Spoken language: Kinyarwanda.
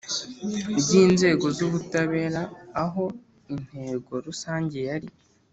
Ry’inzego z’ubutabera aho intego rusange yari